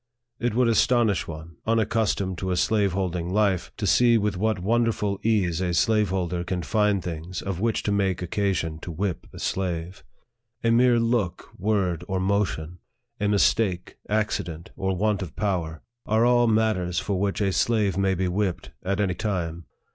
It would astonish one, unaccustomed to a slaveholding life, to see with what wonderful ease a slaveholder can find things, of which to make occasion to whip a slave. LIFE OF FREDERICK DOUGLASS. 79 A mere look, word, or motion, a mistake, accident, or want of power, are all matters for which a slave may be whipped at any time.